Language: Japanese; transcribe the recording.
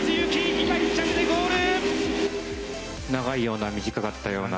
今、１着でゴール！